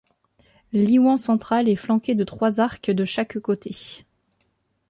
L'iwan central est flanqué de trois arcs de chaque côté.